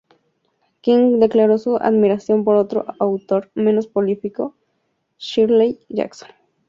King declaró su admiración por otro autor menos prolífico, Shirley Jackson.